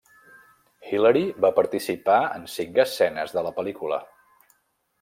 Hillary va participar en cinc escenes de la pel·lícula.